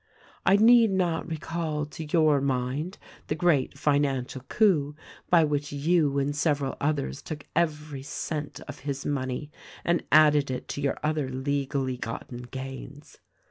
"I need not recall to your mind the great financial coup by which you and several others took every cent of his money and added it to your other legally gotten gains.